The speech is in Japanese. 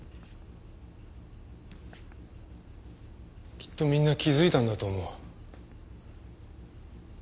きっとみんな気づいたんだと思う。